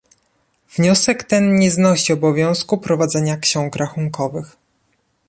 Wniosek ten nie znosi obowiązku prowadzenia ksiąg rachunkowych